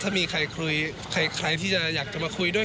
ถ้ามีใครคุยใครที่จะอยากจะมาคุยด้วย